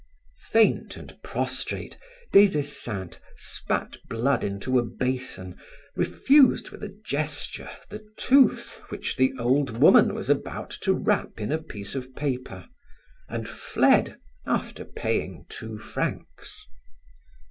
Faint and prostrate, Des Esseintes spat blood into a basin, refused with a gesture, the tooth which the old woman was about to wrap in a piece of paper and fled, after paying two francs.